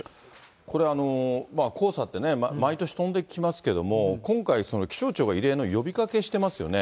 これ、黄砂ってね、毎年飛んできますけども、今回、気象庁が異例の呼びかけしてますよね。